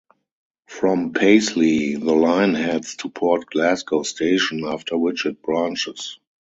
From Paisley, the line heads to Port Glasgow station, after which it branches.